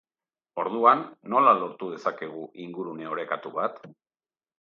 Orduan, nola lortu dezakegu ingurune orekatu bat?